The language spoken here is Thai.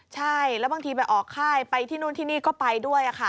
ใช่แล้วบางทีไปออกค่ายไปที่นู่นที่นี่ก็ไปด้วยค่ะ